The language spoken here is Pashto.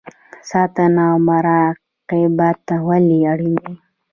ساتنه او مراقبت ولې اړین دی؟